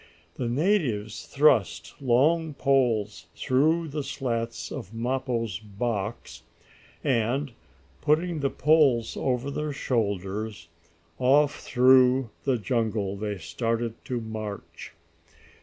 The natives thrust long poles through the slats of Mappo's box, and, putting the poles over their shoulders, off through the jungle they started to march.